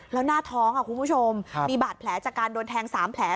แล้วหน้าท้องคุณผู้ชมมีบาดแผลจากการโดนแทง๓แผล